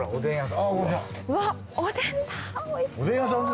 うわっおでんだ！